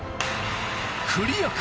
クリアか？